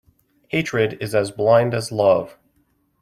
Hatred is as blind as love.